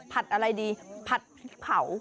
อะไรดีผัดพริกเผา